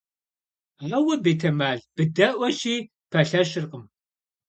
Ауэ, бетэмал, быдэӀуэщи, пэлъэщыркъым.